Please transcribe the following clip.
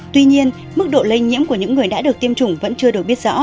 tuy nhiên mức độ lây nhiễm của những người đã được tiêm chủng vẫn chưa được biết rõ